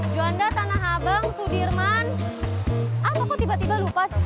tanda habang sudirman atau tipis juga lupas